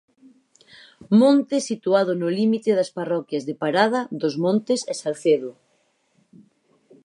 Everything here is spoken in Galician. Monte situado no límite das parroquias de Parada dos Montes e Salcedo.